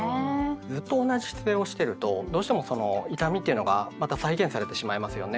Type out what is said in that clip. ずっと同じ姿勢をしてるとどうしてもその痛みっていうのがまた再現されてしまいますよね。